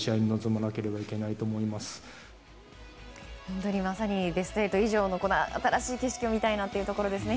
本当にまさにベスト８以上の新しい景色を見たいというところですね。